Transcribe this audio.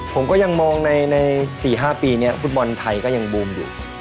ผมก็ยังมองใน๔๕ปีนี้ฟุตบอลไทยก็ยังบูมอยู่